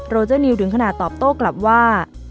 เจอร์นิวถึงขนาดตอบโต้กลับว่า